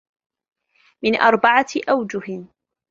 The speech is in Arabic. مِنْ أَرْبَعَةِ أَوْجُهٍ